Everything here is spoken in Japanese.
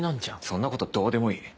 そんなことどうでもいい。